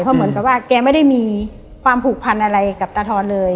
เพราะเหมือนกับว่าแกไม่ได้มีความผูกพันอะไรกับตาทอนเลย